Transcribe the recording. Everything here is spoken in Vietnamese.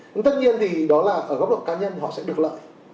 nhưng tất nhiên thì đó là ở góc độ cá nhân thì họ sẽ được lợi